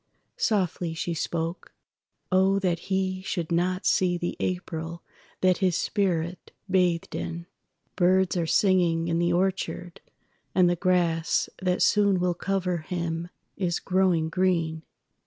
Softly she spoke: "Oh, that he should not seeThe April that his spirit bathed in! BirdsAre singing in the orchard, and the grassThat soon will cover him is growing green.